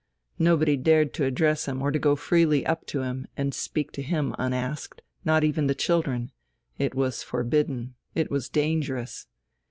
Nobody dared to address him or to go freely up to him and speak to him unasked not even the children: it was forbidden, it was dangerous.